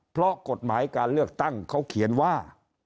เพราะกฎหมายการเลือกตั้งเขาเขียนว่า